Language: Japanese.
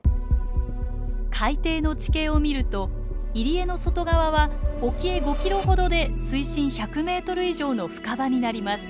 海底の地形を見ると入り江の外側は沖へ５ｋｍほどで水深１００ｍ以上の深場になります。